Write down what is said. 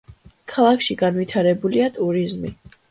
ქალაქში განვითარებულია ტურიზმი.